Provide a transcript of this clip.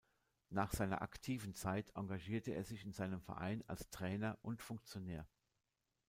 Nach seiner aktiven Zeit engagierte er sich in seinem Verein als Trainer und Funktionär.